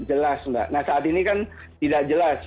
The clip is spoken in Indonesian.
jelas mbak nah saat ini kan tidak jelas